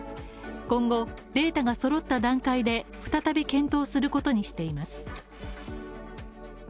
今後、データがそろった段階で再び検討することにしています。